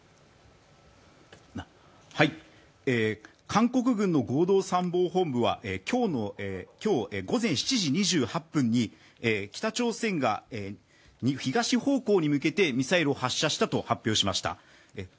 韓国軍の合同参謀本部は今日午前７時２８分に北朝鮮が東方向に向けてミサイルを発射したと発表しました。